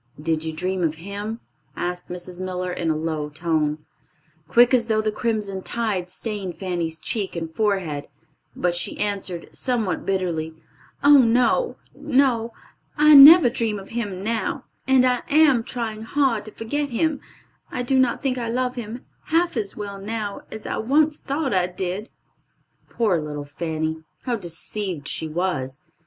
"Did you dream of him?" asked Mrs. Miller, in a low tone. Quick as thought the crimson tide stained Fanny's cheek and forehead, but she answered, somewhat bitterly, "Oh, no, no! I never dream of him now, and I am trying hard to forget him. I do not think I love him half as well now as I once thought I did." Poor little Fanny! How deceived she was!